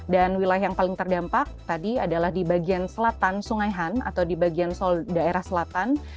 dan wilayah yang paling terdampak tadi adalah di bagian selatan sungai han atau di bagian seoul daerah selatan